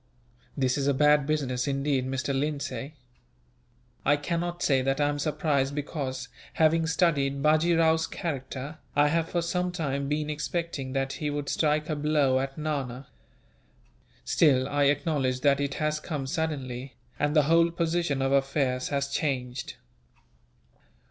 "This is a bad business, indeed, Mr. Lindsay. I cannot say that I am surprised because, having studied Bajee Rao's character, I have for some time been expecting that he would strike a blow at Nana. Still, I acknowledge that it has come suddenly, and the whole position of affairs has changed.